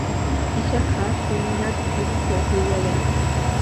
ইশা খাঁ সৈন্যাধ্যক্ষ হইয়া গেলেন।